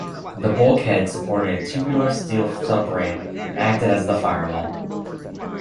The bulkhead supported a tubular steel subframe and acted as the firewall.